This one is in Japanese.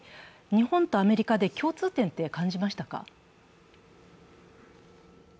日本とアメリカで共通点って感じましたか？